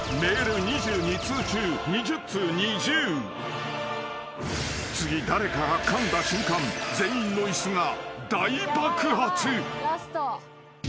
ぷはーっ［次誰かがかんだ瞬間全員の椅子が大爆発］